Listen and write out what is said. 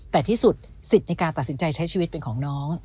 แต่ที่สุดสิทธิ์ในการตัดสินใจใช้ชีวิตเป็นของน้อง